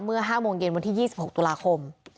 เมื่อ๕โมงเย็นวันที่๒๖ตุลาคม